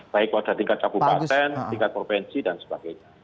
baik pada tingkat kabupaten tingkat provinsi dan sebagainya